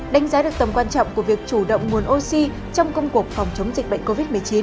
đánh giá được tầm quan trọng của việc chủ động nguồn oxy trong công cuộc phòng chống dịch bệnh covid một mươi chín